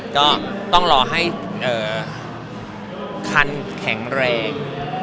ก็ต้องรอให้คันแข็งแรง